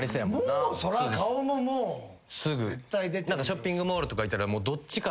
ショッピングモールとか行ったらどっちかで。